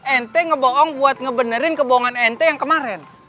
ente ngebong buat ngebenerin kebohongan ente yang kemarin